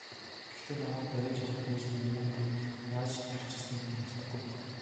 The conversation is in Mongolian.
Гэхдээ намайг бариад явахад ээж маань үүдэндээ яаж тарчилсныг би мартахгүй.